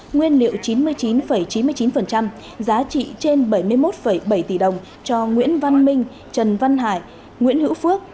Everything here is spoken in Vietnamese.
nguyên liệu chín mươi chín chín mươi chín giá trị trên bảy mươi một bảy tỷ đồng cho nguyễn văn minh trần văn hải nguyễn hữu phước